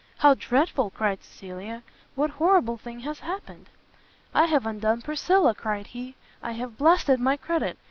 "How dreadful!" cried Cecilia, "what horrible thing has happened?" "I have undone Priscilla!" cried he, "I have blasted my credit!